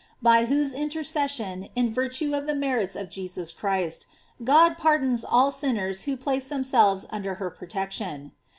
by whose intercession, in virtue of the merits of Jesus Christ, God pardons all sinners who place themselves under her protection.